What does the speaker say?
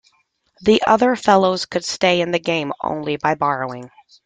The other fellows could stay in the game only by borrowing.